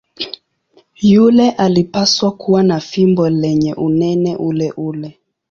Yule alipaswa kuwa na fimbo lenye unene uleule.